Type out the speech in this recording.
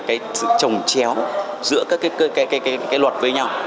cái trồng chéo giữa các cái luật với nhau